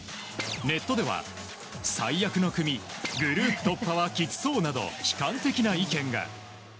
ネットでは最悪の組グループ突破はきつそうなど悲観的な意見が。